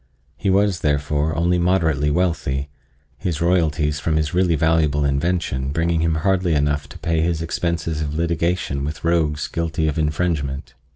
He was, therefore, only moderately wealthy, his royalties from his really valuable invention bringing him hardly enough to pay his expenses of litigation with rogues guilty of infringement.